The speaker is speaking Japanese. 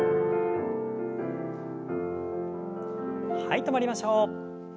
はい止まりましょう。